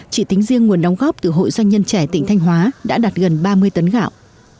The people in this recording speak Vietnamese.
chỉ tính riêng nguồn đóng góp từ hội doanh nhân trẻ tỉnh thanh hóa đã đạt gần ba mươi tấn gạo